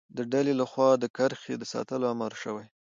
د ډلې له خوا د کرښې د ساتلو امر شوی.